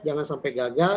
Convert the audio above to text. jangan sampai gagal